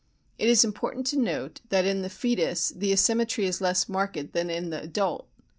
It is important to note that in the foetus the asymmetry is less marked than in the adult.